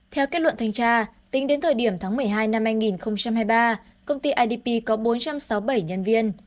theo kết luận thanh tra tính đến thời điểm tháng một mươi hai năm hai nghìn hai mươi ba công ty idp có bốn trăm sáu mươi bảy nhân viên